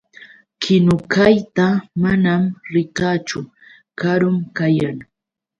Kinukayta manam rikaachu. Karun kayan.